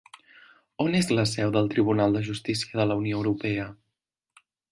On és la seu del Tribunal de Justícia de la Unió Europea?